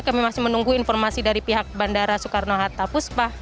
kami masih menunggu informasi dari pihak bandara soekarno hatta puspa